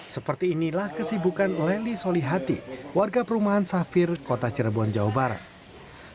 seperti inilah kesibukan lely solihati warga perumahan safir kota cirebon jawa barat